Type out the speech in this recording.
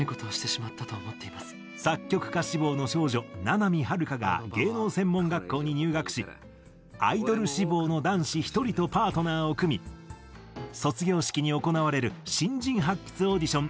作曲家志望の少女七海春歌が芸能専門学校に入学しアイドル志望の男子１人とパートナーを組み卒業式に行われる「新人発掘オーディション」